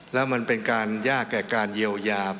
แล้วมันเป็นการยากแก่การเยียวยา